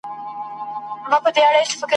ده پر خلکو باندي ږغ کړل چي ملګرو !.